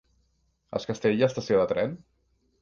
A Es Castell hi ha estació de tren?